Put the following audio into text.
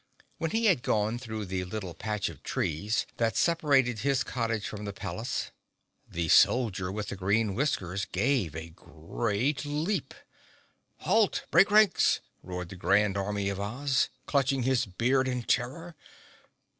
When he had gone through the little patch of trees that separated his cottage from the palace, the Soldier with the Green Whiskers gave a great leap. "Halt! Break ranks!" roared the Grand Army of Oz, clutching his beard in terror.